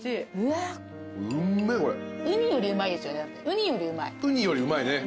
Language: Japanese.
ウニよりうまいね。